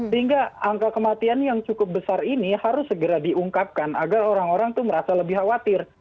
sehingga angka kematian yang cukup besar ini harus segera diungkapkan agar orang orang itu merasa lebih khawatir